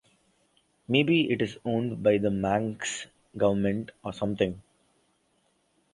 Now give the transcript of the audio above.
Maybe it is owned by the Manx government, or something.